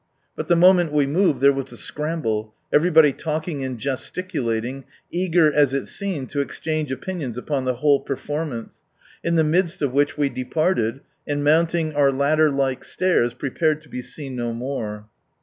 " But the moment we moved there was a scramble, everybody talking and gesticulating, eager as it seemed to exchange opinions upon the whole performance, in the midst of which we departed, and mounting our ladder like stairs, prepared to be seen no more.